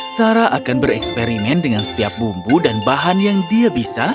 sarah akan bereksperimen dengan setiap bumbu dan bahan yang dia bisa